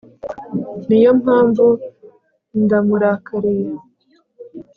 Niyo mpamvu ndamurakariye